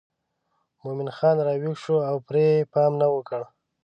مومن خان راویښ شو او پرې یې پام ونه کړ.